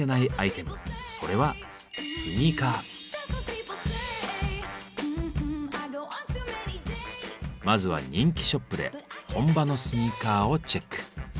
それはまずは人気ショップで本場のスニーカーをチェック。